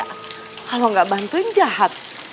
kalau gak bantuin jahat